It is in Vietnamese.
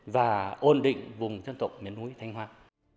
và do tổ chức triển khai các nhóm chính sách này